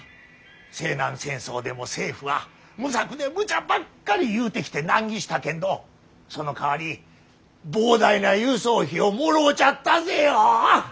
西南戦争でも政府は無策でむちゃばっかり言うてきて難儀したけんどそのかわり膨大な輸送費をもろうちゃったぜよ。